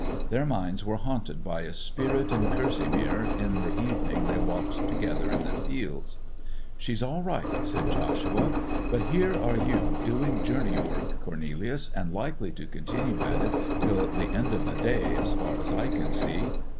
Their minds were haunted by a spirit in kerseymere in the evening they walked together in the fields. 'She's all right,' said Joshua. 'But here are you doing journey work, Cornelius, and likely to continue at it till the end of the day, as far as I can see.